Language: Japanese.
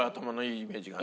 イメージが。